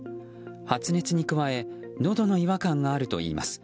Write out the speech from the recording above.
発熱に加えのどの違和感があるといいます。